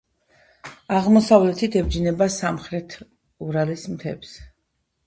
აღმოსავლეთით ებჯინება სამხრეთი ურალის მთებს.